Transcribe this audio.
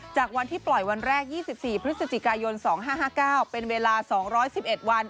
จากวันที่ปล่อยวันแรก๒๔พฤศจิกายน๒๕๕๙เป็นเวลา๒๑๑วัน